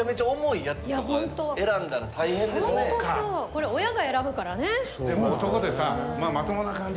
これ親が選ぶからね。